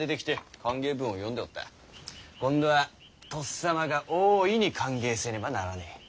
今度はとっさまが大いに歓迎せねばならねぇ。